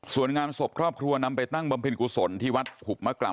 ส่วนงานศพครอบครัวนำไปตั้งบำเพ็ญกุศลที่วัดหุบมะกล่ำ